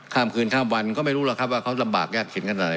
ข้ามคืนข้ามวันก็ไม่รู้หรอกครับว่าเขาลำบากยากเข็นขนาดไหน